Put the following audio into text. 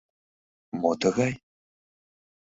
«Мо тыгай?